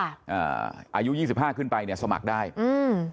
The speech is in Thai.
อายุยี่สิบห้าขึ้นไปเนี้ยสมัครได้อืม